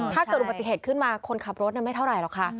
ถ้าเกิดอุบัติเหตุขึ้นมาคนขับรถไม่เท่าไหร่หรอกค่ะ